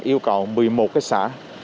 yêu cầu một mươi một cái xã